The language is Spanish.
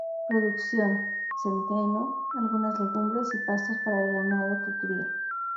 Producción: centeno, algunas legumbres y pastos para el ganado que cria.